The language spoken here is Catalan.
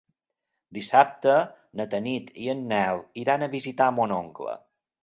Dissabte na Tanit i en Nel iran a visitar mon oncle.